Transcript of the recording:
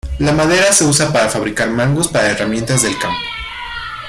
La madera se usa para fabricar mangos para herramientas del campo.